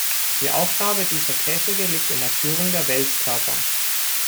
Die Aufgabe dieser Käfige liegt in der Führung der Wälzkörper.